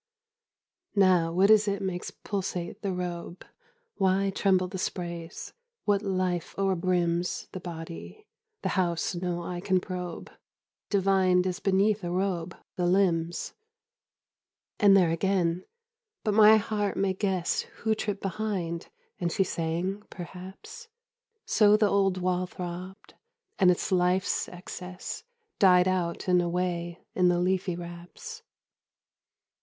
Now, what is it makes pulsate the robe? Why tremble the sprays? What life o'erbrims 10 The body, the house no eye can probe, Divined, as beneath a robe, the limbs? And there again! But my heart may guess Who tripped behind; and she sang, perhaps: So the old wall throbbed, and its life's excess Died out and away in the leafy wraps.